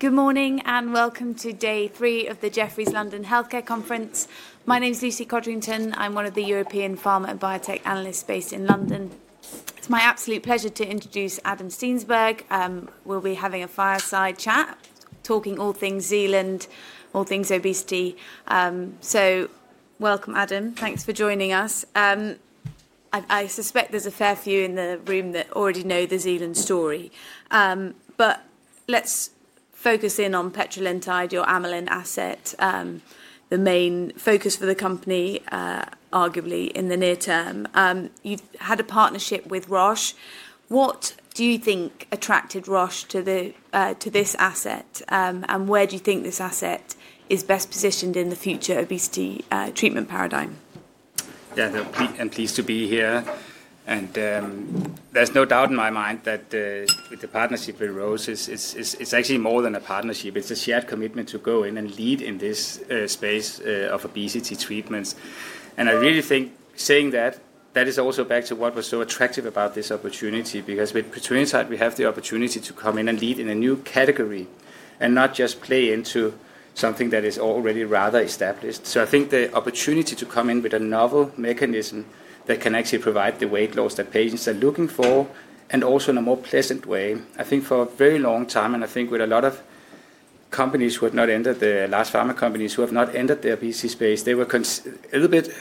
Good morning and welcome to day three of the Jefferies London Healthcare Conference. My name is Lucy Codrington. I'm one of the European Pharma and Biotech Analysts based in London. It's my absolute pleasure to introduce Adam Steensberg. We'll be having a fireside chat, talking all things Zealand, all things obesity. Welcome, Adam. Thanks for joining us. I suspect there's a fair few in the room that already know the Zealand story. Let's focus in on petrelintide, your amylin asset, the main focus for the company, arguably in the near term. You had a partnership with Roche. What do you think attracted Roche to this asset? Where do you think this asset is best positioned in the future obesity treatment paradigm? Yeah, I'm pleased to be here. There's no doubt in my mind that the partnership with Roche is actually more than a partnership. It's a shared commitment to go in and lead in this space of obesity treatments. I really think saying that, that is also back to what was so attractive about this opportunity, because with petrelintide, we have the opportunity to come in and lead in a new category and not just play into something that is already rather established. I think the opportunity to come in with a novel mechanism that can actually provide the weight loss that patients are looking for, and also in a more pleasant way. I think for a very long time, and I think with a lot of companies who have not entered, the large pharma companies who have not entered the obesity space, they were a little bit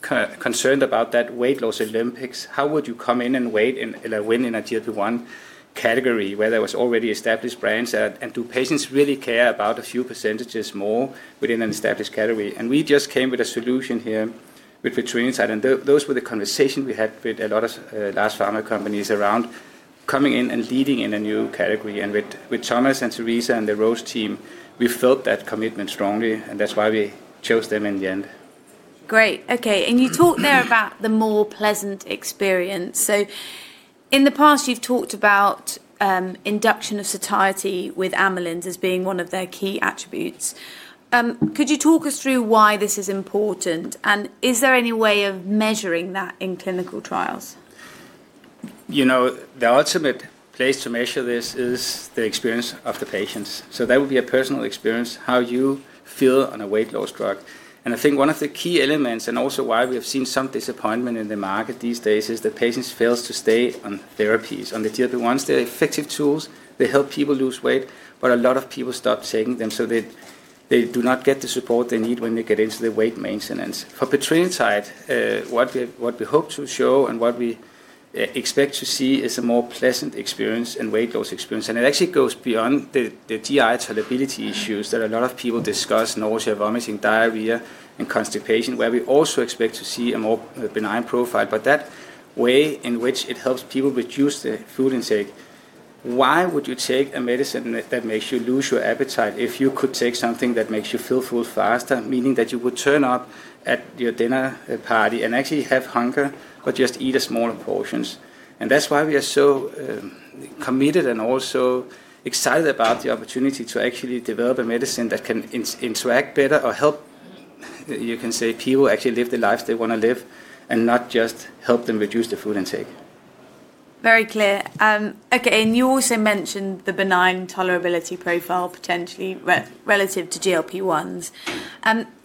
concerned about that weight loss Olympics. How would you come in and win in a GLP-1 category where there were already established brands? Do patients really care about a few % more within an established category? We just came with a solution here with petrelintide. Those were the conversations we had with a lot of large pharma companies around coming in and leading in a new category. With Thomas and Theresa and the Roche team, we felt that commitment strongly. That is why we chose them in the end. Great. Okay. You talked there about the more pleasant experience. In the past, you've talked about induction of satiety with amylin as being one of their key attributes. Could you talk us through why this is important? Is there any way of measuring that in clinical trials? You know, the ultimate place to measure this is the experience of the patients. So that would be a personal experience, how you feel on a weight loss drug. And I think one of the key elements, and also why we have seen some disappointment in the market these days, is that patients fail to stay on therapies, on the GLP-1s. They're effective tools. They help people lose weight. But a lot of people stop taking them, so they do not get the support they need when they get into the weight maintenance. For petrelintide, what we hope to show and what we expect to see is a more pleasant experience and weight loss experience. And it actually goes beyond the GI tolerability issues that a lot of people discuss: nausea, vomiting, diarrhea, and constipation, where we also expect to see a more benign profile. That way in which it helps people reduce the food intake, why would you take a medicine that makes you lose your appetite if you could take something that makes you feel full faster, meaning that you would turn up at your dinner party and actually have hunger but just eat smaller portions? That is why we are so committed and also excited about the opportunity to actually develop a medicine that can interact better or help, you can say, people actually live the lives they want to live and not just help them reduce the food intake. Very clear. Okay. You also mentioned the benign tolerability profile potentially relative to GLP-1s.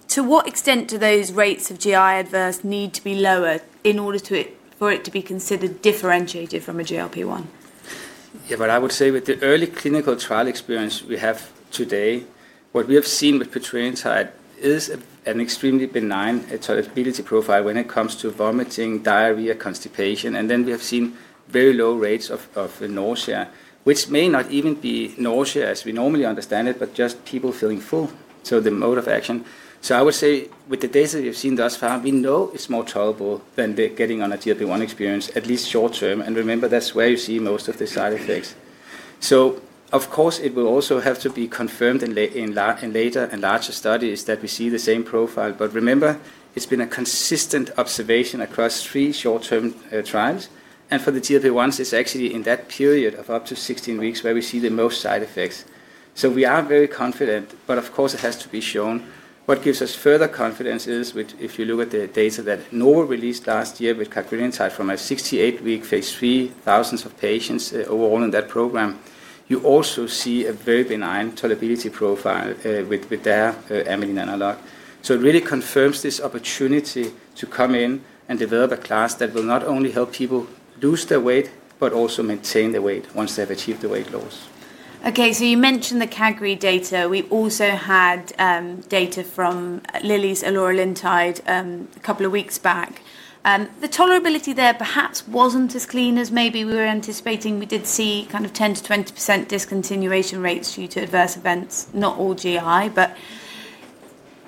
To what extent do those rates of GI adverse need to be lower in order for it to be considered differentiated from a GLP-1? Yeah, but I would say with the early clinical trial experience we have today, what we have seen with petrelintide is an extremely benign tolerability profile when it comes to vomiting, diarrhea, constipation. And then we have seen very low rates of nausea, which may not even be nausea as we normally understand it, but just people feeling full. So the mode of action. So I would say with the data we've seen thus far, we know it's more tolerable than getting on a GLP-1 experience, at least short term. Remember, that's where you see most of the side effects. Of course, it will also have to be confirmed in later and larger studies that we see the same profile. Remember, it's been a consistent observation across three short-term trials. For the GLP-1s, it's actually in that period of up to 16 weeks where we see the most side effects. We are very confident. Of course, it has to be shown. What gives us further confidence is if you look at the data that Novo Nordisk released last year with CagriSema from a 68-week phase III, thousands of patients overall in that program, you also see a very benign tolerability profile with their amylin analog. It really confirms this opportunity to come in and develop a class that will not only help people lose their weight, but also maintain the weight once they've achieved the weight loss. Okay. You mentioned the Cagri data. We also had data from Lilly's eloralintide a couple of weeks back. The tolerability there perhaps was not as clean as maybe we were anticipating. We did see kind of 10%-20% discontinuation rates due to adverse events, not all GI.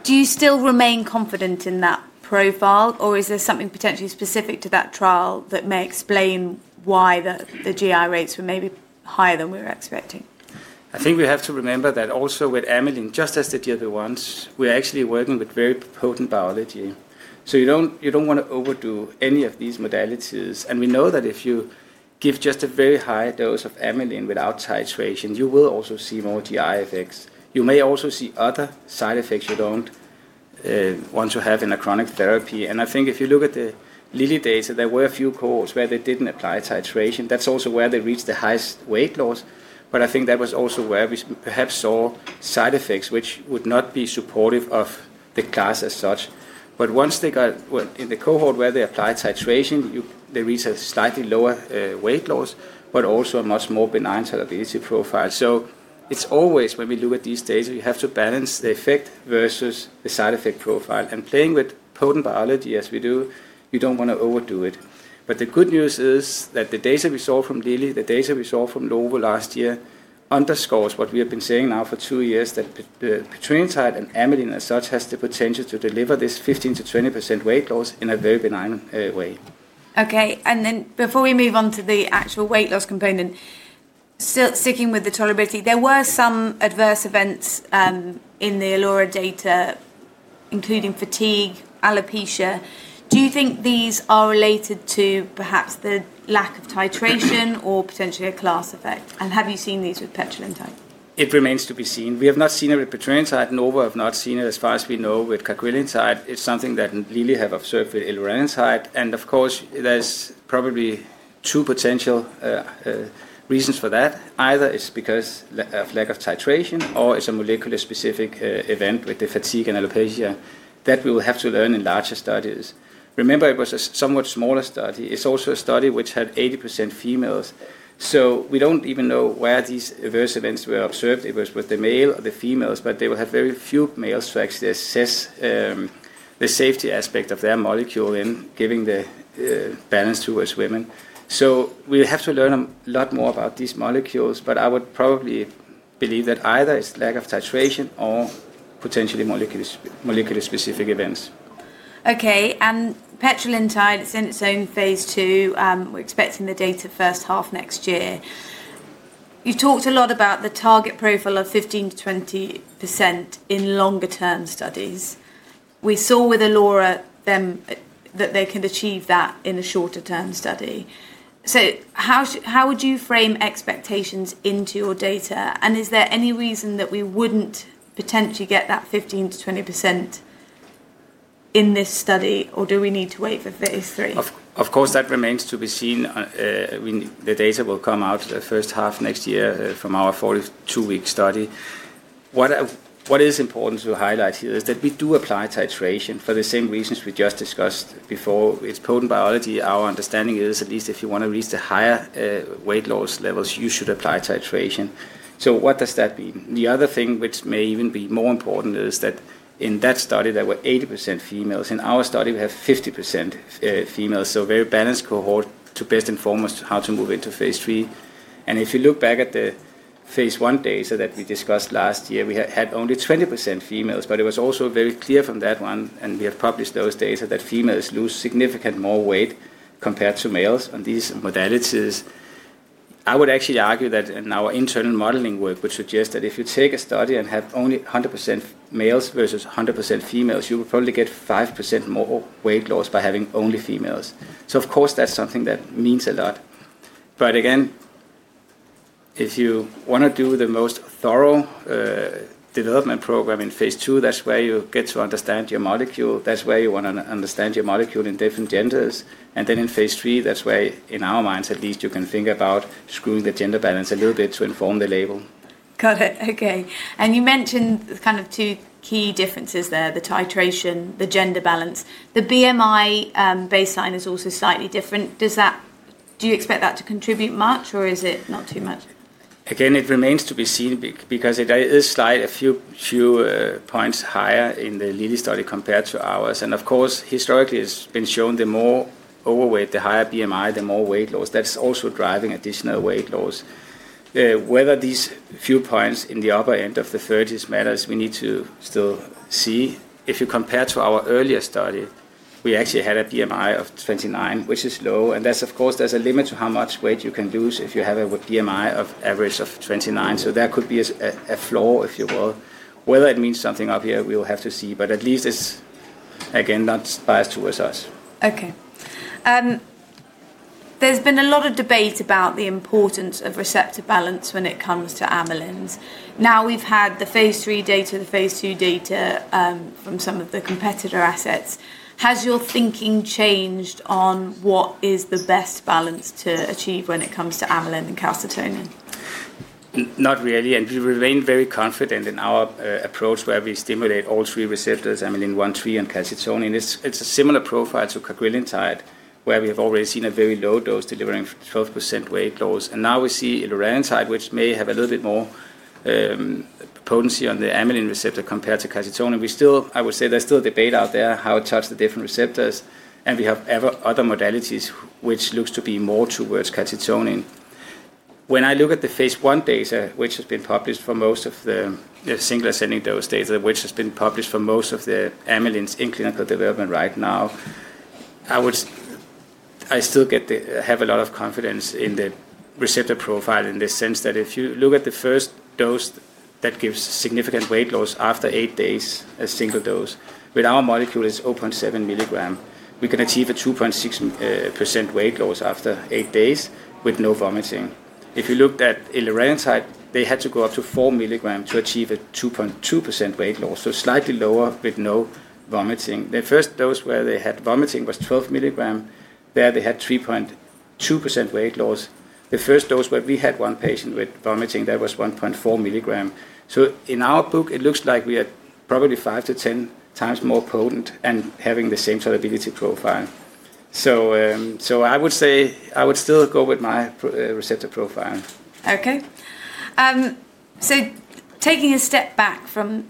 Do you still remain confident in that profile? Is there something potentially specific to that trial that may explain why the GI rates were maybe higher than we were expecting? I think we have to remember that also with amylin, just as the GLP-1s, we're actually working with very potent biology. You do not want to overdo any of these modalities. We know that if you give just a very high dose of amylin without titration, you will also see more GI effects. You may also see other side effects you do not want to have in a chronic therapy. I think if you look at the Lilly data, there were a few cohorts where they did not apply titration. That is also where they reached the highest weight loss. I think that was also where we perhaps saw side effects which would not be supportive of the class as such. Once they got in the cohort where they applied titration, they reached a slightly lower weight loss, but also a much more benign tolerability profile. It's always when we look at these data, you have to balance the effect versus the side effect profile. Playing with potent biology as we do, you don't want to overdo it. The good news is that the data we saw from Lilly, the data we saw from Novo Nordisk last year underscores what we have been saying now for two years, that petrelintide and amylin as such has the potential to deliver this 15%-20% weight loss in a very benign way. Okay. Before we move on to the actual weight loss component, still sticking with the tolerability, there were some adverse events in the elora data, including fatigue, alopecia. Do you think these are related to perhaps the lack of titration or potentially a class effect? Have you seen these with petrelintide? It remains to be seen. We have not seen it with petrelintide. Novo Nordisk have not seen it as far as we know. With CagriSema, it's something that Lilly have observed with their amylin analog. Of course, there's probably two potential reasons for that. Either it's because of lack of titration, or it's a molecule-specific event with the fatigue and alopecia that we will have to learn in larger studies. Remember, it was a somewhat smaller study. It's also a study which had 80% females. We do not even know where these adverse events were observed. It was with the male or the females, but they will have very few males to actually assess the safety aspect of their molecule in giving the balance to us women. We will have to learn a lot more about these molecules. I would probably believe that either it's lack of titration or potentially molecular specific events. Okay. And petrelintide is in its own phase II. We're expecting the data first half next year. You talked a lot about the target profile of 15%-20% in longer-term studies. We saw with Eli Lilly that they could achieve that in a shorter-term study. How would you frame expectations into your data? Is there any reason that we wouldn't potentially get that 15%-20% in this study? Do we need to wait for phase III? Of course, that remains to be seen. The data will come out the first half next year from our 42-week study. What is important to highlight here is that we do apply titration for the same reasons we just discussed before. It's potent biology. Our understanding is at least if you want to reach the higher weight loss levels, you should apply titration. What does that mean? The other thing which may even be more important is that in that study, there were 80% females. In our study, we have 50% females. A very balanced cohort to best and foremost how to move into phase III. If you look back at the phase I data that we discussed last year, we had only 20% females. It was also very clear from that one, and we had published those data, that females lose significantly more weight compared to males on these modalities. I would actually argue that in our internal modeling work would suggest that if you take a study and have only 100% males versus 100% females, you would probably get 5% more weight loss by having only females. Of course, that's something that means a lot. Again, if you want to do the most thorough development program in phase II, that's where you get to understand your molecule. That's where you want to understand your molecule in different genders. In phase III, that's where in our minds at least you can think about screwing the gender balance a little bit to inform the label. Got it. Okay. You mentioned kind of two key differences there: the titration, the gender balance. The BMI baseline is also slightly different. Do you expect that to contribute much, or is it not too much? Again, it remains to be seen because it is slightly a few points higher in the Lilly study compared to ours. Of course, historically, it has been shown the more overweight, the higher BMI, the more weight loss. That is also driving additional weight loss. Whether these few points in the upper end of the 30s matters, we need to still see. If you compare to our earlier study, we actually had a BMI of 29, which is low. Of course, there is a limit to how much weight you can lose if you have a BMI of average of 29. There could be a flaw, if you will. Whether it means something up here, we will have to see. At least it is, again, not biased towards us. Okay. There's been a lot of debate about the importance of receptor balance when it comes to amylins. Now we've had the phase III data, the phase II data from some of the competitor assets. Has your thinking changed on what is the best balance to achieve when it comes to amylin and calcitonin? Not really. We remain very confident in our approach where we stimulate all three receptors: amylin, 1, 3, and calcitonin. It's a similar profile to cagrilintide, where we have already seen a very low dose delivering 12% weight loss. Now we see eloralintide, which may have a little bit more potency on the amylin receptor compared to calcitonin. I would say there's still debate out there how it touches the different receptors. We have other modalities which look to be more towards calcitonin. When I look at the phase I data, which has been published for most of the single ascending dose data, which has been published for most of the amylins in clinical development right now, I still have a lot of confidence in the receptor profile in the sense that if you look at the first dose that gives significant weight loss after eight days, a single dose, with our molecule is 0.7 mg, we can achieve a 2.6% weight loss after eight days with no vomiting. If you looked at eloralintide, they had to go up to 4 mg to achieve a 2.2% weight loss, so slightly lower with no vomiting. The first dose where they had vomiting was 12 mg. There they had 3.2% weight loss. The first dose where we had one patient with vomiting, that was 1.4 mg. In our book, it looks like we are probably 5%-10% times more potent and having the same tolerability profile. I would say I would still go with my receptor profile. Okay. Taking a step back from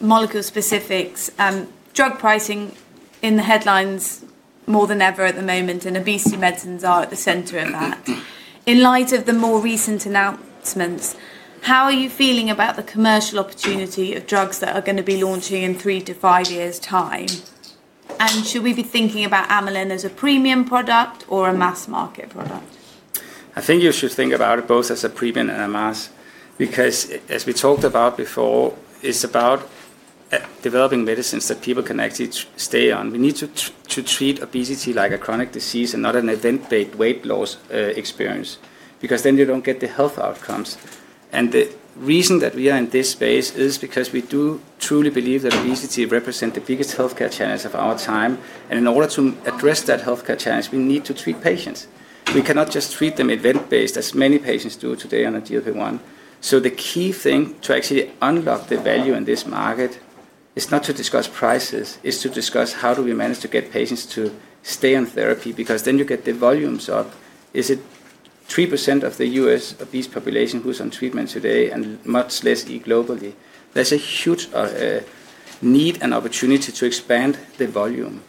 molecule specifics, drug pricing is in the headlines more than ever at the moment, and obesity medicines are at the center of that. In light of the more recent announcements, how are you feeling about the commercial opportunity of drugs that are going to be launching in three to five years' time? Should we be thinking about amylin as a premium product or a mass market product? I think you should think about it both as a premium and a mass because, as we talked about before, it's about developing medicines that people can actually stay on. We need to treat obesity like a chronic disease and not an event-based weight loss experience because then you don't get the health outcomes. The reason that we are in this space is because we do truly believe that obesity represents the biggest healthcare challenge of our time. In order to address that healthcare challenge, we need to treat patients. We cannot just treat them event-based as many patients do today on a GLP-1. The key thing to actually unlock the value in this market is not to discuss prices, it is to discuss how do we manage to get patients to stay on therapy because then you get the volumes up. Is it 3% of the US obese population who's on treatment today and much less globally? There's a huge need and opportunity to expand the volume.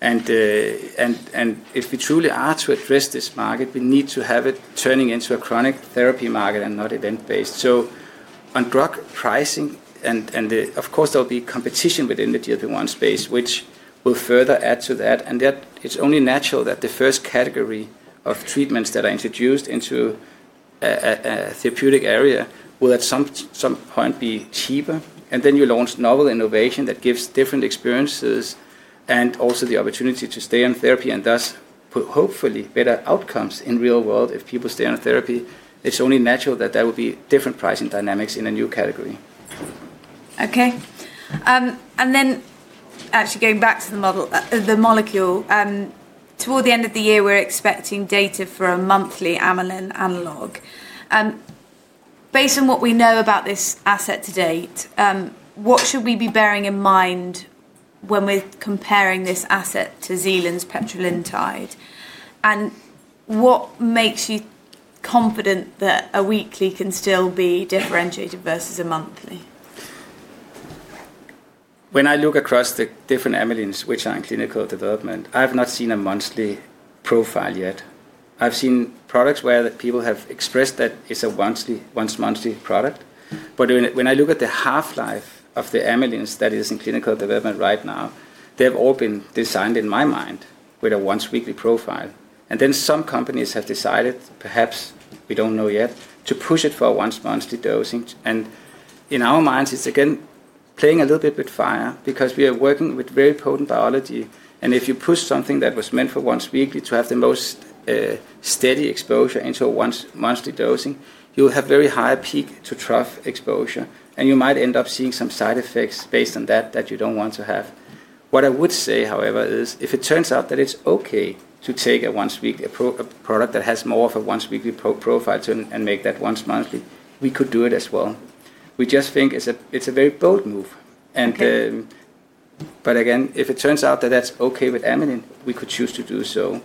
If we truly are to address this market, we need to have it turning into a chronic therapy market and not event-based. On drug pricing, of course, there will be competition within the GLP-1 space, which will further add to that. It's only natural that the first category of treatments that are introduced into a therapeutic area will at some point be cheaper. You launch novel innovation that gives different experiences and also the opportunity to stay on therapy and thus hopefully better outcomes in the real world if people stay on therapy. It's only natural that there will be different pricing dynamics in a new category. Okay. And then actually going back to the molecule, toward the end of the year, we're expecting data for a monthly amylin analog. Based on what we know about this asset to date, what should we be bearing in mind when we're comparing this asset to Zealand's petrelintide? And what makes you confident that a weekly can still be differentiated versus a monthly? When I look across the different amylins, which are in clinical development, I have not seen a monthly profile yet. I've seen products where people have expressed that it's a once-monthly product. When I look at the half-life of the amylin that is in clinical development right now, they've all been designed in my mind with a once-weekly profile. Some companies have decided, perhaps we don't know yet, to push it for a once-monthly dosing. In our minds, it's again playing a little bit with fire because we are working with very potent biology. If you push something that was meant for once-weekly to have the most steady exposure into a once-monthly dosing, you'll have very high peak to trough exposure. You might end up seeing some side effects based on that that you don't want to have. What I would say, however, is if it turns out that it's okay to take a once-weekly product that has more of a once-weekly profile and make that once-monthly, we could do it as well. We just think it's a very bold move. Again, if it turns out that that's okay with amylin, we could choose to do so.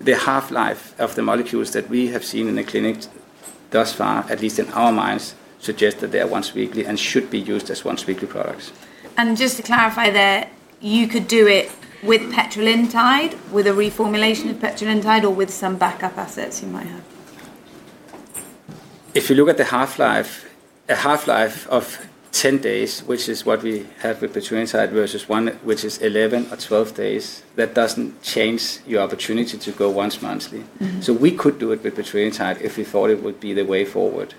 The half-life of the molecules that we have seen in the clinic thus far, at least in our minds, suggests that they are once-weekly and should be used as once-weekly products. Just to clarify there, you could do it with petrelintide, with a reformulation of petrelintide, or with some backup assets you might have? If you look at the half-life, a half-life of 10 days, which is what we have with petrelintide versus one which is 11 or 12 days, that does not change your opportunity to go once-monthly. We could do it with petrelintide if we thought it would be the way forward.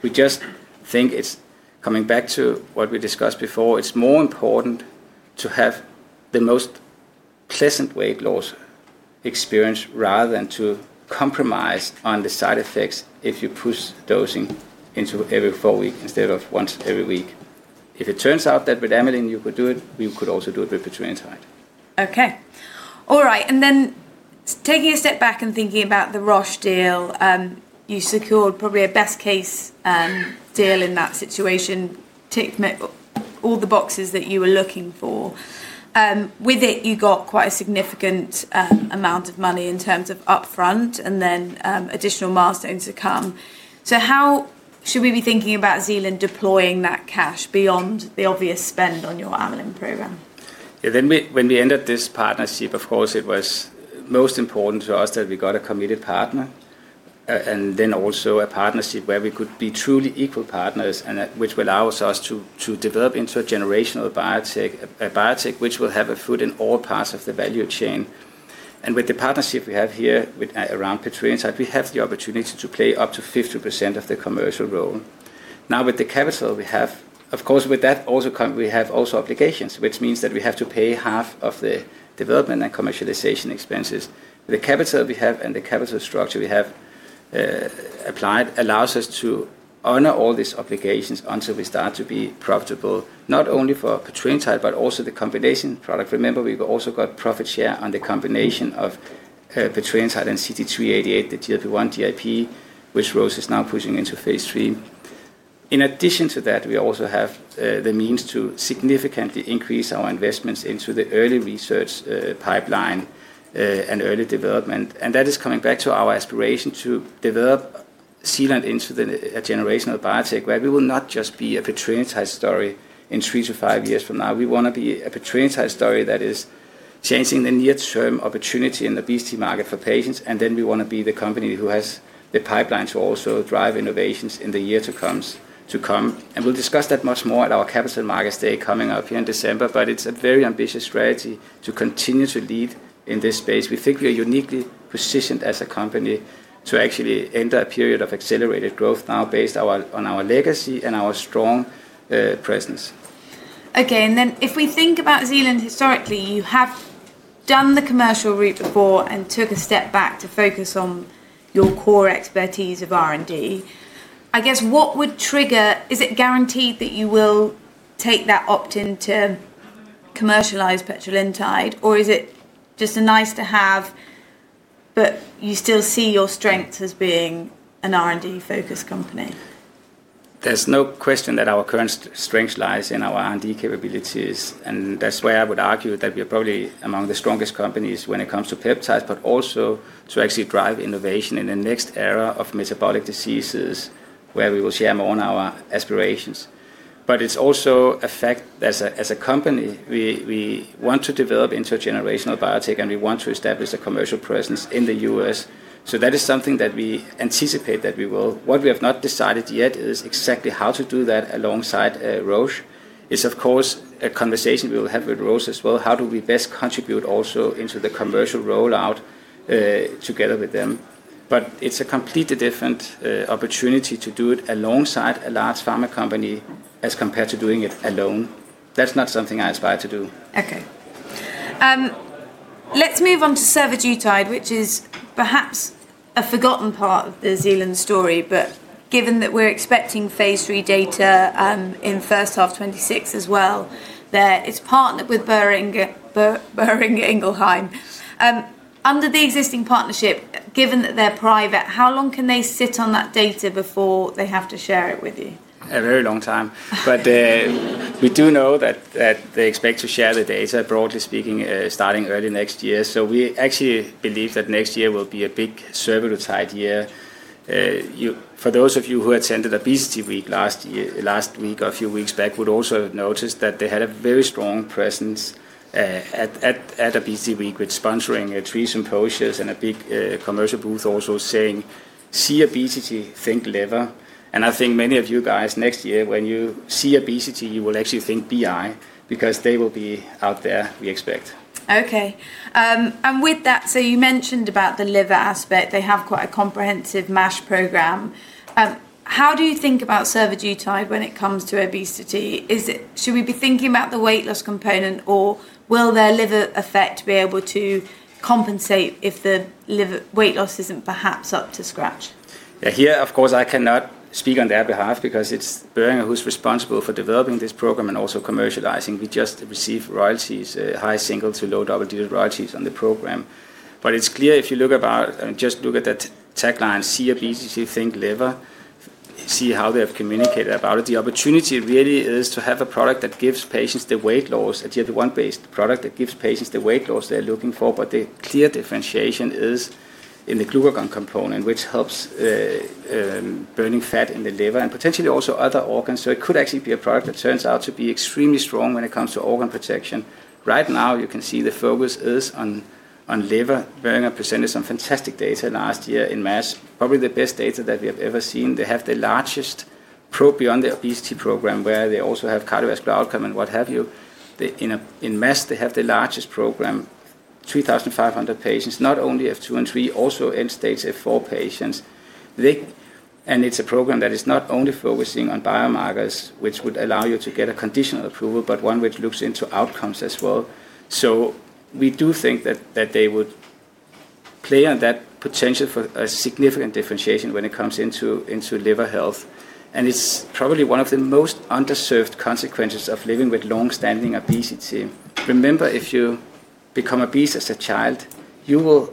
We just think it is coming back to what we discussed before. It is more important to have the most pleasant weight loss experience rather than to compromise on the side effects if you push dosing into every four weeks instead of once every week. If it turns out that with amylin you could do it, we could also do it with petrelintide. Okay. All right. Taking a step back and thinking about the Roche deal, you secured probably a best-case deal in that situation, ticked all the boxes that you were looking for. With it, you got quite a significant amount of money in terms of upfront and then additional milestones to come. How should we be thinking about Zealand deploying that cash beyond the obvious spend on your amylin program? Yeah. When we entered this partnership, of course, it was most important to us that we got a committed partner and then also a partnership where we could be truly equal partners, which will allow us to develop into a generational biotech, a biotech which will have a foot in all parts of the value chain. With the partnership we have here around petrelintide, we have the opportunity to play up to 50% of the commercial role. Now with the capital we have, of course, with that also comes we have also obligations, which means that we have to pay half of the development and commercialization expenses. The capital we have and the capital structure we have applied allows us to honor all these obligations until we start to be profitable, not only for petrelintide, but also the combination product. Remember, we've also got profit share on the combination of petrelintide and CT-388, the GLP-1/GIP, which Roche is now pushing into phase III. In addition to that, we also have the means to significantly increase our investments into the early research pipeline and early development. That is coming back to our aspiration to develop Zealand into a generational biotech where we will not just be a petrelintide story in three to five years from now. We want to be a petrelintide story that is changing the near-term opportunity in the obesity market for patients. We want to be the company who has the pipeline to also drive innovations in the years to come. We will discuss that much more at our Capital Markets Day coming up here in December. It is a very ambitious strategy to continue to lead in this space. We think we are uniquely positioned as a company to actually enter a period of accelerated growth now based on our legacy and our strong presence. Okay. And then if we think about Zealand historically, you have done the commercial route before and took a step back to focus on your core expertise of R&D. I guess what would trigger? Is it guaranteed that you will take that opt-in to commercialize petrelintide, or is it just a nice-to-have, but you still see your strengths as being an R&D-focused company? There's no question that our current strength lies in our R&D capabilities. That's why I would argue that we are probably among the strongest companies when it comes to peptides, but also to actually drive innovation in the next era of metabolic diseases where we will share more on our aspirations. It's also a fact that as a company, we want to develop into a generational biotech, and we want to establish a commercial presence in the US. That is something that we anticipate that we will. What we have not decided yet is exactly how to do that alongside Roche. It's, of course, a conversation we will have with Roche as well. How do we best contribute also into the commercial rollout together with them? It's a completely different opportunity to do it alongside a large pharma company as compared to doing it alone. That's not something I aspire to do. Okay. Let's move on to survodutide, which is perhaps a forgotten part of the Zealand story. But given that we're expecting phase III data in the first half of 2026 as well, it's partnered with Boehringer Ingelheim. Under the existing partnership, given that they're private, how long can they sit on that data before they have to share it with you? A very long time. We do know that they expect to share the data, broadly speaking, starting early next year. We actually believe that next year will be a big survodutide year. For those of you who attended Obesity Week last week or a few weeks back, you would also notice that they had a very strong presence at Obesity Week with sponsoring three symposia and a big commercial booth also saying, "See obesity, think liver." I think many of you guys next year, when you see obesity, you will actually think BI because they will be out there, we expect. Okay. With that, you mentioned the liver aspect. They have quite a comprehensive MASH program. How do you think about survodutide when it comes to obesity? Should we be thinking about the weight loss component, or will their liver effect be able to compensate if the weight loss is not perhaps up to scratch? Yeah. Here, of course, I cannot speak on their behalf because it's Boehringer who's responsible for developing this program and also commercializing. We just receive royalties, high single to low double digit royalties on the program. It is clear if you look at, just look at that tagline, "See obesity, think liver," see how they have communicated about it. The opportunity really is to have a product that gives patients the weight loss, a GLP-1-based product that gives patients the weight loss they're looking for. The clear differentiation is in the glucagon component, which helps burning fat in the liver and potentially also other organs. It could actually be a product that turns out to be extremely strong when it comes to organ protection. Right now, you can see the focus is on liver. Boehringer presented some fantastic data last year in MASH, probably the best data that we have ever seen. They have the largest probe beyond the obesity program where they also have cardiovascular outcome and what have you. In MASH, they have the largest program, 3,500 patients, not only F2 and 3, also end stage F4 patients. It is a program that is not only focusing on biomarkers, which would allow you to get a conditional approval, but one which looks into outcomes as well. We do think that they would play on that potential for a significant differentiation when it comes into liver health. It is probably one of the most underserved consequences of living with long-standing obesity. Remember, if you become obese as a child, you will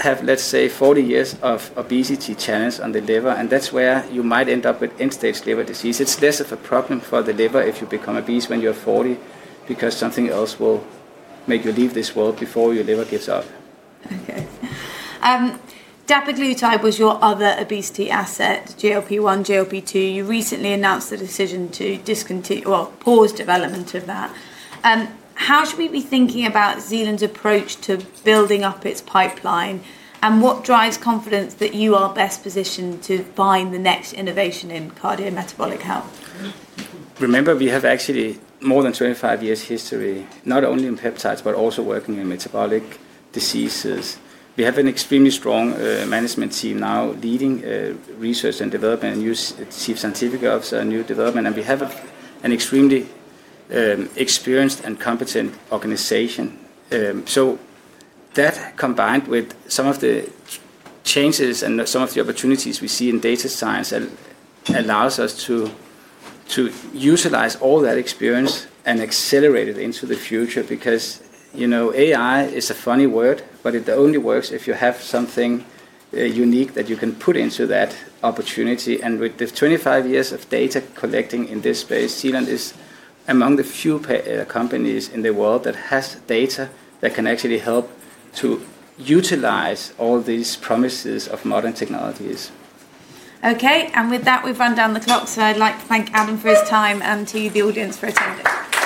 have, let's say, 40 years of obesity challenge on the liver. That's where you might end up with end-stage liver disease. It's less of a problem for the liver if you become obese when you're 40 because something else will make you leave this world before your liver gives up. Okay. Dapiglutide was your other obesity asset, GLP-1, GLP-2. You recently announced the decision to discontinue, well, pause development of that. How should we be thinking about Zealand's approach to building up its pipeline? And what drives confidence that you are best positioned to find the next innovation in cardiometabolic health? Remember, we have actually more than 25 years' history, not only in peptides, but also working in metabolic diseases. We have an extremely strong management team now leading research and development and new Chief Scientific Officer and new development. We have an extremely experienced and competent organization. That combined with some of the changes and some of the opportunities we see in data science allows us to utilize all that experience and accelerate it into the future because AI is a funny word, but it only works if you have something unique that you can put into that opportunity. With the 25 years of data collecting in this space, Zealand is among the few companies in the world that has data that can actually help to utilize all these promises of modern technologies. Okay. With that, we've run down the clock. I'd like to thank Adam for his time and to you, the audience, for attending.